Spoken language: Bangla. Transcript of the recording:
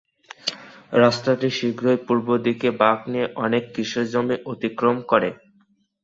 রাস্তাটি শীঘ্রই পূর্ব দিকে বাক নিয়ে অনেক কৃষি জমি অতিক্রম করে।